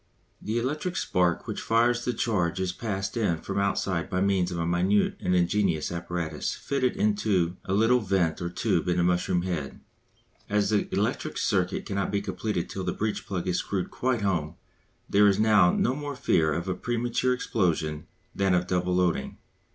The electric spark which fires the charge is passed in from outside by means of a minute and ingenious apparatus fitted into a little vent or tube in the mushroom head. As the electric circuit cannot be completed till the breech plug is screwed quite home there is now no more fear of a premature explosion than of double loading.